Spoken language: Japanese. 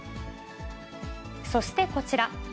そして、こちら。